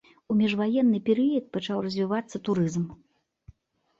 У міжваенны перыяд пачаў развівацца турызм.